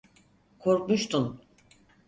Korkmuştun.